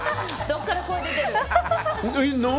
どこから声出てるの？